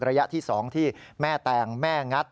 ระยะที่๒ที่แม่แตงแม่งัด